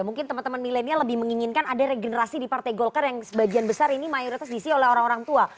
mungkin teman teman milenial lebih menginginkan ada regenerasi di partai golkar yang sebagian besar ini mayoritas diisi oleh orang orang tua